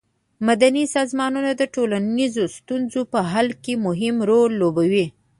مدني سازمانونه د ټولنیزو ستونزو په حل کې مهم رول لوبوي.